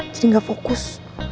jadi gak fokus